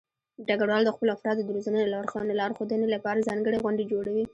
ډګروال د خپلو افرادو د روزنې او لارښودنې لپاره ځانګړې غونډې جوړوي.